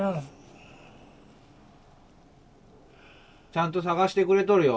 ちゃんと探してくれとるよ。